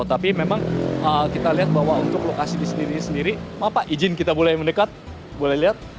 tapi memang kita lihat bahwa untuk lokasi di sini sendiri maaf pak izin kita boleh mendekat boleh lihat